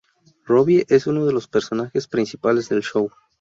Robbie es uno de los personajes principales del show.